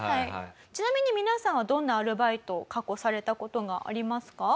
ちなみに皆さんはどんなアルバイトを過去された事がありますか？